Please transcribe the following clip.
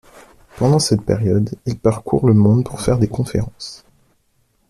Pendant cette période, il parcourt le monde pour faire des conférences.